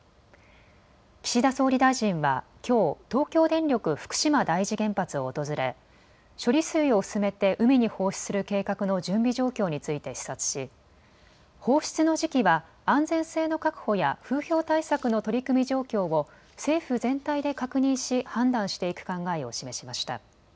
岸田総理大臣はきょう東京電力福島第一原発を訪れ処理水を薄めて海に放出する計画の準備状況について視察し放出の時期は安全性の確保や風評対策の取り組み状況を政府全体で確認し判断していく考えを示しました。